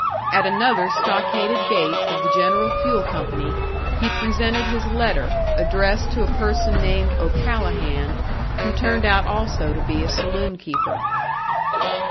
At another stockaded gate of the General Fuel Company he presented his letter, addressed to a person named O'Callahan, who turned out also to be a saloon keeper.